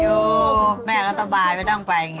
อยู่แม่ก็สบายไม่ต้องไปอย่างนี้